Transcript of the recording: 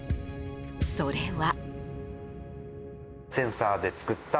それは。